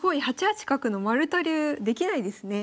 ８八角の丸田流できないですね。